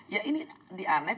ya ini dianeh